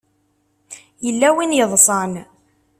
Yella win yeḍsan.